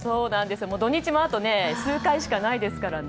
土日もあと数回しかないですからね。